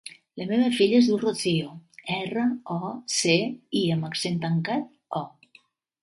La meva filla es diu Rocío: erra, o, ce, i amb accent tancat, o.